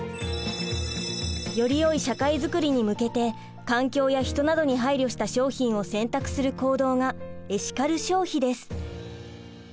よりよい社会づくりに向けて環境や人などに配慮した商品を選択する行動がエシカル消費です。